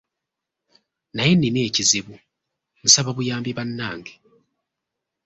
"Naye nnina ekizibu, nsaba buyambi bannange."